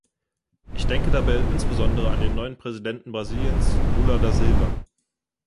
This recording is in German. Ich denke dabei insbesondere an den neuen Präsidenten Brasiliens, Lula da Silva.